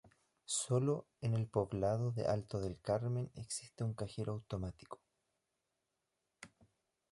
Sólo en el poblado de Alto del Carmen existe un cajero automático.